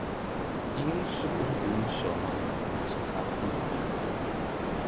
Ingen så det uden Sommeren og hans kraftige viv.